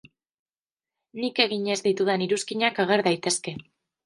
Nik egin ez ditudan iruzkinak ager daitezke.